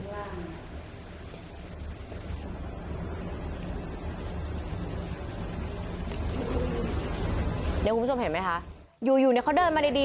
เดี๋ยวคุณผู้ชมเห็นมั้ยคะอยู่เขาเดินมาดี